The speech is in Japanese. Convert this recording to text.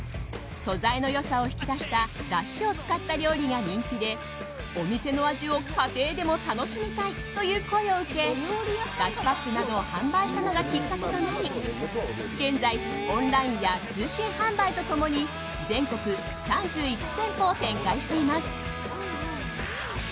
素材の良さを引き出しただしを使った料理が人気でお店の味を家庭でも楽しみたいという声を受けだしパックなどを販売したのがきっかけとなり現在オンラインや通信販売と共に全国３１店舗を展開しています。